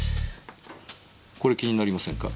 これ気になりませんか？